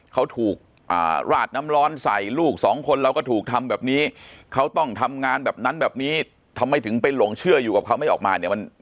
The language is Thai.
เขาถูกราดน้ำร้อนใส่ลูกสองคนเราก็ถูกทำแบบนี้เขาต้องทำงานแบบนั้นแบบนี้ทำไมถึงไปหลงเชื่ออยู่กับเขาไม่ออกมาเนี่ย